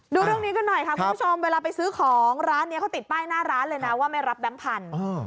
ดูเรื่องนี้กันหน่อยค่ะคุณผู้ชมเวลาไปซื้อของร้านนี้เขาติดป้ายหน้าร้านเลยนะว่าไม่รับแบงค์พันธุ์